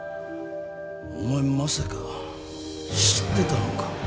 お前まさか知ってたのか？